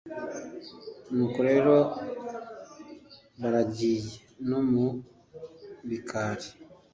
nuko rero baragiye no mu bikari,